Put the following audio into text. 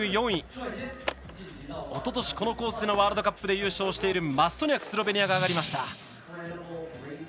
４位おととしこのコースでのワールドカップで優勝しているマストニャクスロベニアが上がりました。